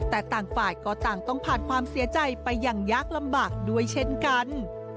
แต่ต่างฝ่ายก็ต่างต้องผ่านความเสียใจไปอย่างยากลำบากด้วยเช่นกัน